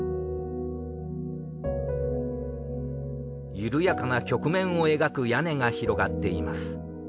ゆるやかな曲面を描く屋根が広がっています。